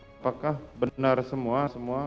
apakah benar semua